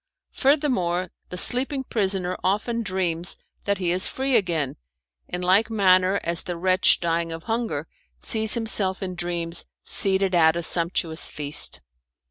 Furthermore, the sleeping prisoner often dreams that he is free again, in like manner as the wretch dying of hunger sees himself in dreams seated at a sumptuous feast.